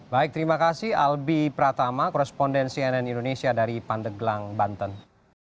baik terima kasih albi pratama koresponden cnn indonesia dari pandeglang banten